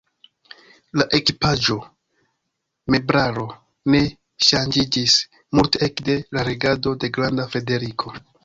La ekipaĵo, meblaro ne ŝanĝiĝis multe ekde la regado de Granda Frederiko.